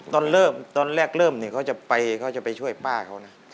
ตอนแรกเริ่มเขาจะไปช่วยป้าเขานะ